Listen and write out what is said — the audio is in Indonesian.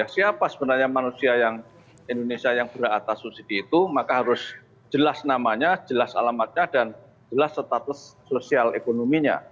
siapa sebenarnya manusia indonesia yang berat atas subsidi itu maka harus jelas namanya jelas alamatnya dan jelas status sosial ekonominya